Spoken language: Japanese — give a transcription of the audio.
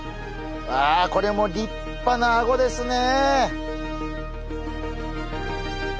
あこれも立派なアゴですね。